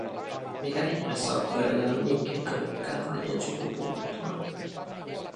Mikä ihme saattoi ajaa niinkin älykkään lajin sukupuuttoon?